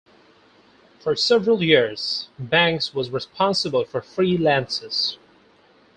For several years Banks was responsible for freelances.